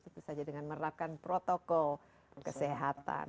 itu saja dengan meratakan protokol kesehatan